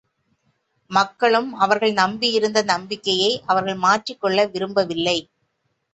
மக்களும் அவர்கள் நம்பியிருந்த நம்பிக்கையை அவர்கள் மாற்றிக் கொள்ள விரும்பவில்லை.